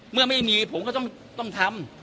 เมื่อไม่มีผมก็ต้องทำ